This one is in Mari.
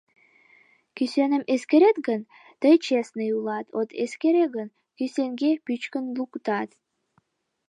Кӱсеным эскерет гын, тый «честный» улат, от эскере гын, кӱсенге пӱчкын луктат.